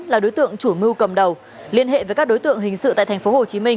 là đối tượng chủ mưu cầm đầu liên hệ với các đối tượng hình sự tại tp hcm